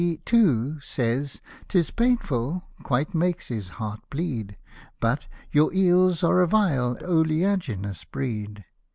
too, says "'tis painful" — "quite makes his heart bleed "— But " your eels are a vile, oleaginous breed."